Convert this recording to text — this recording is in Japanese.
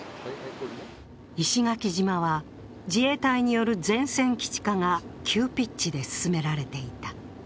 石垣島は自衛隊による前線基地化が急ピッチで進められていた。